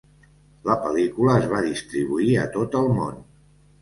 La pel·lícula es va distribuir a tot el món.